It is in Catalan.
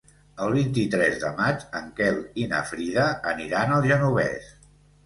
El vint-i-tres de maig en Quel i na Frida aniran al Genovés.